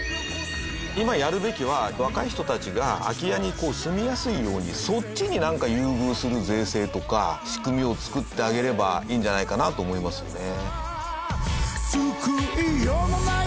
今やるべきは若い人たちが空き家に住みやすいようにそっちになんか優遇する税制とか仕組みを作ってあげればいいんじゃないかなと思いますよね。